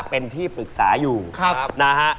เป็นที่ปรึกษาอยู่นะฮะ